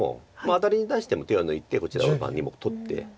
アタリに対しても手は抜いてこちらを２目取って。